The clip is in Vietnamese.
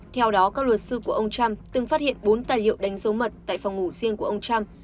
theo đó các luật sư của ông trump từng phát hiện bốn tài liệu đánh dấu mật tại phòng ngủ riêng của ông trump